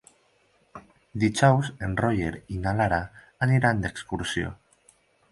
Dijous en Roger i na Lara aniran d'excursió.